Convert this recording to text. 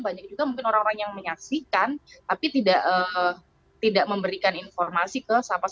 banyak juga mungkin orang orang yang menyaksikan tapi tidak memberikan informasi ke sapa satu ratus dua puluh sembilan